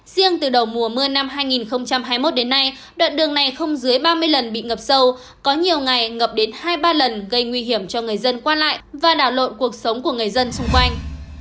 riêng từ đầu mùa mưa năm hai nghìn hai mươi một đến nay đoạn đường này không dưới ba mươi lần bị ngập sâu có nhiều ngày ngập đến hai ba lần gây nguy hiểm cho người dân qua lại và đảo lộn cuộc sống của người dân xung quanh